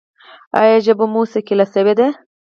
ایا ژبه مو ثقیله شوې ده؟